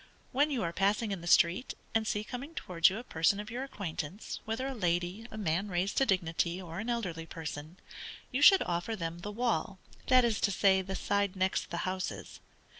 When you are passing in the street, and see coming towards you a person of your acquaintance, whether a lady, a man raised to dignity, or an elderly person, you should offer them the wall, that is to say, the side next the houses.